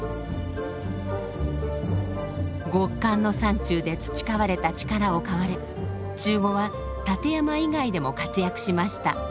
極寒の山中で培われた力を買われ中語は立山以外でも活躍しました。